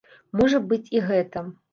Можа быць і гэта.